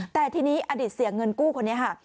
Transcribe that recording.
แต่ทีนี้อดีตเสียเงินกู้คนนี้ค่ะ